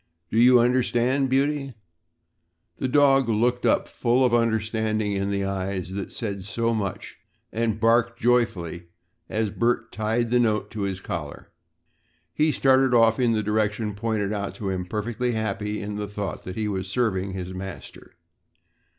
Do you understand, Beauty?" The dog looked up with full understanding in the eyes that said so much and barked joyfully as Bert tied the note to his collar. He started off in the direction pointed out to him perfectly happy in the thought that he was serving his master.